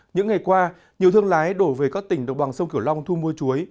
những ngày qua nhiều thương lái đổ về các tỉnh độc bằng sông kiểu long thu mua chuối